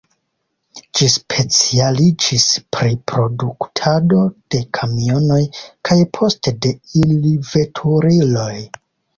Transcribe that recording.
Ĝi specialiĝis pri produktado de kamionoj kaj poste de il-veturiloj.